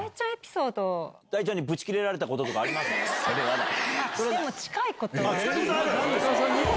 それはない！